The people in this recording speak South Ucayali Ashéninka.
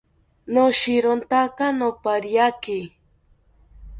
Noshirontaka nopariaki